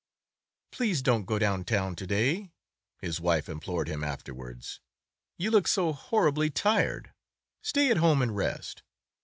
"Please don't go down town to day," his wife implored him afterwards. "You look so horribly tired. Stay at home and rest."